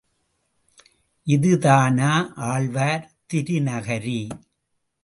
இதுதானா ஆழ்வார் திருநகரி?